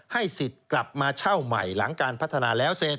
สิทธิ์กลับมาเช่าใหม่หลังการพัฒนาแล้วเสร็จ